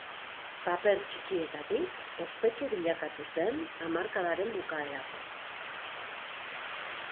Paper txikietatik, ospetsu bilakatu zen hamarkadaren bukaerako.